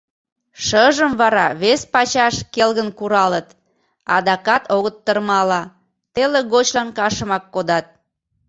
Шыжым вара вес пачаш келгын куралыт, адакат огыт тырмала, теле гочлан кашымак кодат.